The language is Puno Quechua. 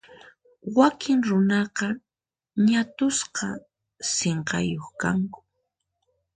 Wakin runaqa ñat'usqa sinqayuq kanku.